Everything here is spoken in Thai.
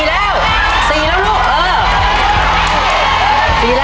๔แล้วลูกเออ